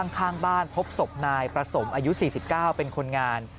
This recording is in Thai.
ข้างบ้านพบศพนายประสมอายุ๔๙เป็นคนงาน